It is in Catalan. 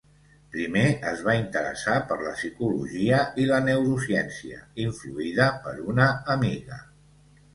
Primer es va interessar per la psicologia i la neurociència, influïda per una amiga.